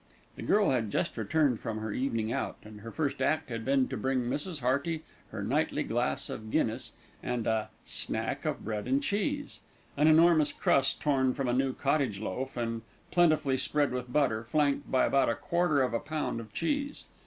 The girl had just returned from her evening out, and her first act had been to bring Mrs. Hearty her nightly glass of Guinness and "snack of bread and cheese," an enormous crust torn from a new cottage loaf and plentifully spread with butter, flanked by about a quarter of a pound of cheese.